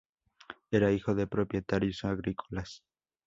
Era hijo de propietarios agrícolas.